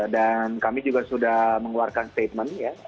dan kami juga sudah mengeluarkan statement